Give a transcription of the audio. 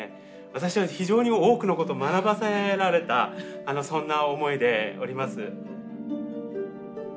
私は非常に多くのことを学ばせられたそんな思いでおります。